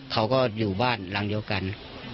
เขาก็อยู่บ้านหลังเดียวกัน